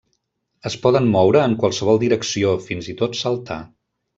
Es poden moure en qualsevol direcció, fins i tot saltar.